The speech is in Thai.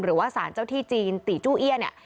หรือว่าสารเจ้าที่จีนตีจู้เอี้ยเนี่ย